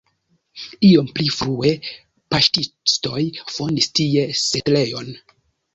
Iom pli frue paŝtistoj fondis tie setlejon.